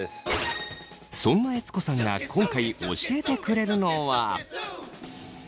そんな悦子さんが今回教えてくれるのは。